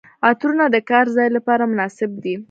عطرونه د کار ځای لپاره مناسب دي.